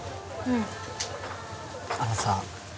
うんあのさ